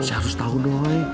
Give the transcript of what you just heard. saya harus tahu doi